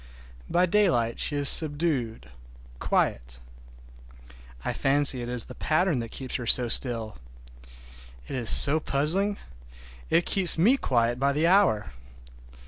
By daylight she is subdued, quiet. I fancy it is the pattern that keeps her so still. It is so puzzling. It keeps me quiet by the hour.